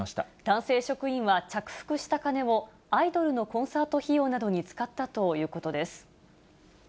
男性職員は着服した金を、アイドルのコンサート費用などに使ったということです。